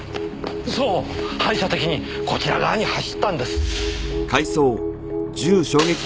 そう反射的にこちら側に走ったんです。